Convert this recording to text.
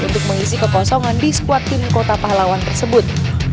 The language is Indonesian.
untuk mengisi kekosongan di squad tim kota pahlawan tersebut